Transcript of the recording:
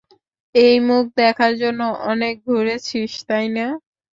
এই মুখ দেখার জন্য অনেক ঘুরেছিস, তাই না?